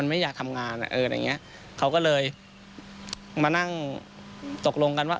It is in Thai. มันไม่อยากทำงานเขาก็เลยมานั่งตกลงกันว่า